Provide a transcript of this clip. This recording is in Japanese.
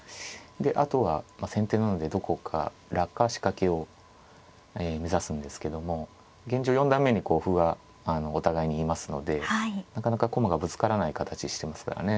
であとは先手なのでどこからか仕掛けを目指すんですけども現状四段目にこう歩がお互いにいますのでなかなか駒がぶつからない形してますからね。